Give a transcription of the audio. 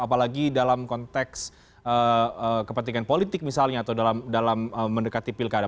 apalagi dalam konteks kepentingan politik misalnya atau dalam mendekati pilkada